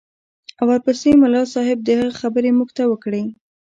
او ورپسې ملا صاحب د هغه خبرې موږ ته وکړې.